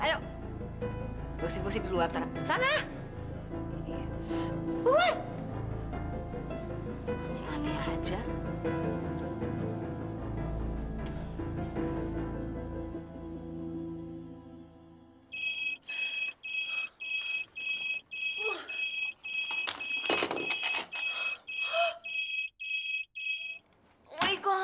ayo berus ini dulu